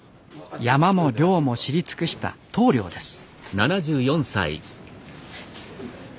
山も猟も知り尽くした頭領です